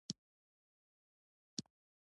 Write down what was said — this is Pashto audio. د افغانستان ملي ګل لاله دی